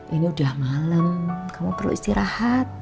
ini udah malam kamu perlu istirahat